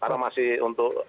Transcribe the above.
karena masih untuk di